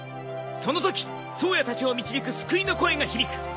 そのとき颯也たちを導く救いの声が響く。